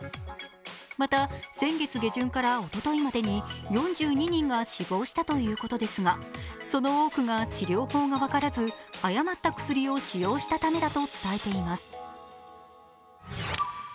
また、先月下旬からおとといまでに４２人が死亡したということですがその多くが治療法が分からず誤った薬を使用したためだと伝えています。